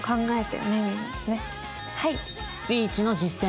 「スピーチの実践」。